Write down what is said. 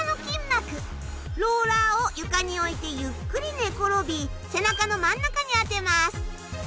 ローラーを床に置いてゆっくり寝転び背中の真ん中に当てます。